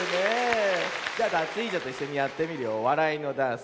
じゃダツイージョといっしょにやってみるよわらいのダンス。